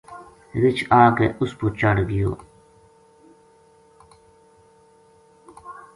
رچھ آ کے اس پو چڑھ گیو